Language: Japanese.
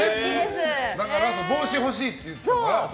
だから帽子が欲しいって言ってたから。